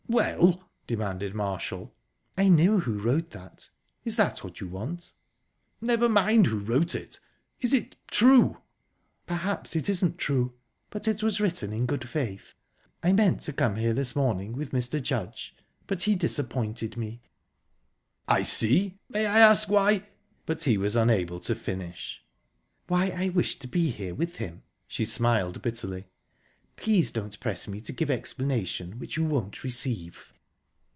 "Well?..." demanded Marshall. "I know who wrote that. Is that what you want?" "Never mind who wrote it. Is it true?" "Perhaps it isn't true; but it was written in good faith. I meant to come here this morning with Mr. Judge, but he disappointed me." "I see...May I ask why...?" but he was unable to finish. "Why, I wished to be here with him?..." She smiled bitterly. "Please don't press me to give explanation which you won't receive."